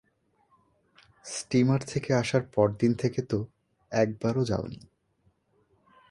Steamer থেকে আসার পরদিন থেকে তো একবারও যাও নি।